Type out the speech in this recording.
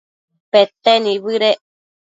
pete nibëdec